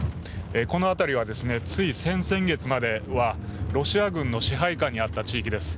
この辺りはつい先々月まではロシア軍の支配下にあった地域です。